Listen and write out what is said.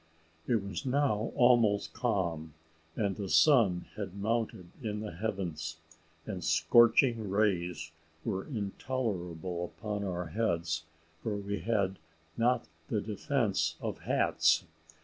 It was now almost calm, and the sun had mounted in the heavens: the scorching rays were intolerable upon our heads, for we had not the defence of hats.